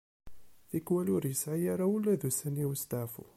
Tikwal ur yesɛi ara ula d ussan i usteɛfu.